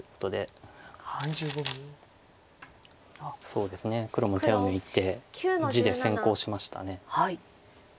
そうですね黒も手を抜いて地で先行しました。